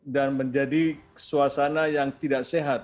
dan menjadi suasana yang tidak sehat